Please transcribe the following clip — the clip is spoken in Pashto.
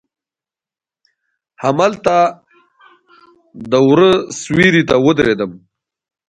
هملته د وره سیوري ته ودریدم.